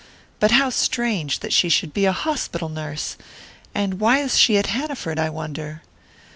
But how strange that she should be a hospital nurse! And why is she at Hanaford, I wonder?"